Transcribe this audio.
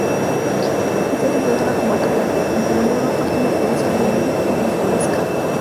Está situada en la comarca de Bureba, partido judicial de Briviesca.